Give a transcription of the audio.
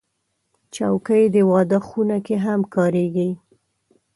چوکۍ د واده خونه کې هم کارېږي.